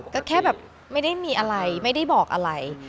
ก็แค่แบบไม่ได้มีอะไรไม่ได้บอกอะไร